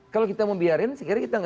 kalau kita membiarkan sekiranya